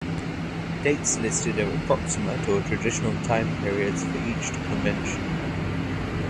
Dates listed are approximate or traditional time periods for each convention.